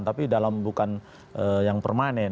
tapi dalam bukan yang permanen